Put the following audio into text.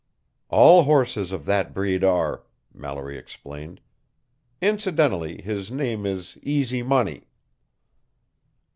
"All horses of that breed are," Mallory explained. "Incidentally, his name is 'Easy Money'."